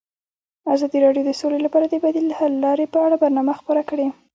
ازادي راډیو د سوله لپاره د بدیل حل لارې په اړه برنامه خپاره کړې.